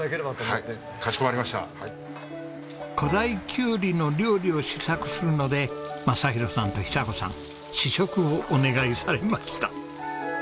古太きゅうりの料理を試作するので正博さんと寿子さん試食をお願いされました。